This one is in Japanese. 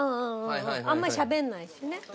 うんうんあんまりしゃべらないしね。